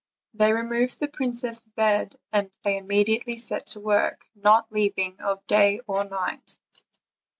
They removed the princess' bed, and they all immediately set to work, not leaving off day or night.